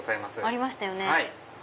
ありましたよね。